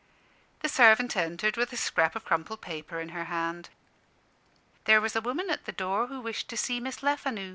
The servant entered with a scrap of crumpled paper in her hand. "There was a woman at the door who wished to see Miss Lefanu."